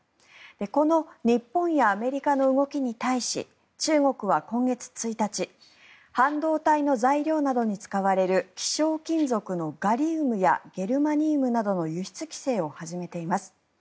この日本やアメリカの動きに対し中国は今月１日半導体の材料などに使われる希少金属のガリウムやゲルマニウムなどの輸出規制を始めています。